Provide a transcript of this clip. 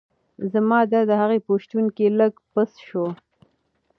زما درد د هغې په شتون کې لږ پڅ شو.